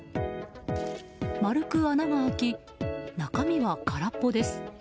丸く穴が開き、中身は空っぽです。